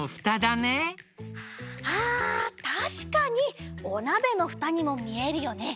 あたしかにおなべのふたにもみえるよね。